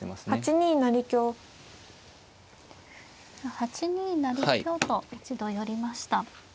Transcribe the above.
８二成香と一度寄りました。